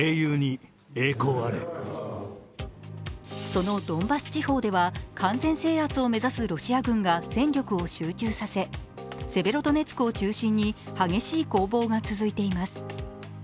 そのドンバス地方では、完全制圧を目指すロシア軍が戦力を集中させ、セベロドネツクを中心に激しい攻防が続いています。